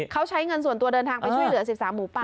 เขาใช้เงินส่วนตัวเดินทางไปช่วยเหลือ๑๓หมูปากพูดเห็นจากภาพขาวนี้